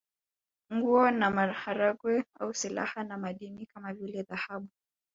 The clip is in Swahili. Nguo na maharage au silaha na madini kama vile dhahabu